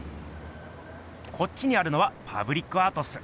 こっちにあるのはパブリックアートっす。